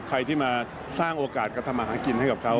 ใครที่มาสร้างโอกาสกระทำอาหารกินให้กับเขา